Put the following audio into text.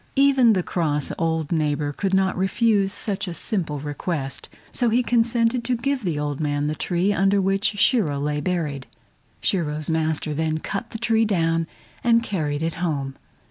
Even the cross old neighbor could not refuse such a simple request, so he consented to give the old man the tree under which Shiro lay buried. Shiro's master then cut the tree down and carried it home.